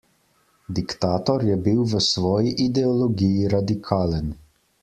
Diktator je bil v svoji ideologiji radikalen.